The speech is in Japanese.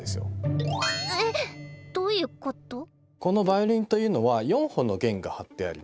このヴァイオリンというのは４本の弦が張ってあります。